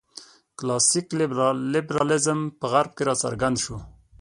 کلاسیک لېبرالېزم په غرب کې راڅرګند شو.